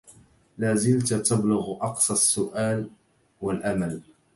لا زلت تبلغ أقصى السؤل والأمل